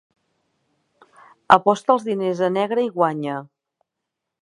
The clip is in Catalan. Aposta els diners a negre i guanya.